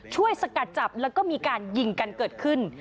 สกัดจับแล้วก็มีการยิงกันเกิดขึ้น